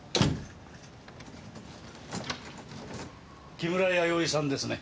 木村弥生さんですね。